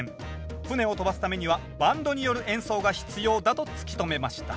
船を飛ばすためにはバンドによる演奏が必要だと突き止めました。